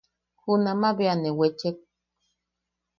Junamaʼa bea ne wechek.